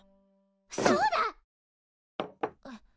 そうだ！